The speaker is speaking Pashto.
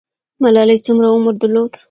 ملالۍ څومره عمر درلود؟